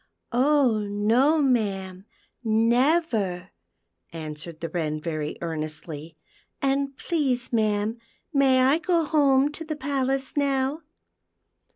" Oh no, ma'am, never," answered the Wren very earnestly. " And please, ma'am, may I go home to the palace now